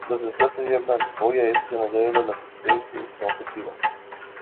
Los expertos llaman hoy a este modelo la tesis conflictiva.